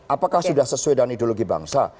apakah sudah sesuai dengan ideologi bangsa